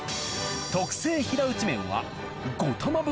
特製平打ち麺は５玉分